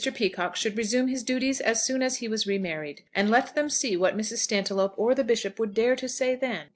Peacocke should resume his duties as soon as he was remarried, and let them see what Mrs. Stantiloup or the Bishop would dare to say then!